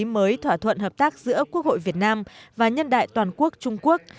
mới thỏa thuận hợp tác giữa quốc hội việt nam và nhân đại toàn quốc trung quốc